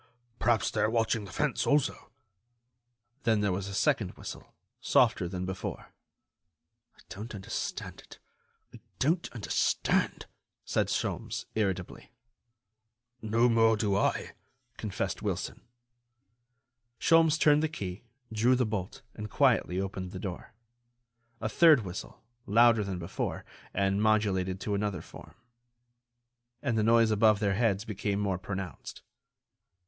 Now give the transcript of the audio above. "Perhaps they are watching the fence also." Then there was a second whistle, softer than before. "I don't understand it; I don't understand," said Sholmes, irritably. "No more do I," confessed Wilson. Sholmes turned the key, drew the bolt, and quietly opened the door. A third whistle, louder than before, and modulated to another form. And the noise above their heads became more pronounced.